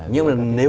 nhưng mà nếu